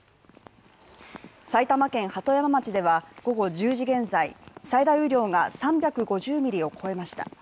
埼玉県鳩山町では午後１０時現在最大雨量が３５０ミリを超えました。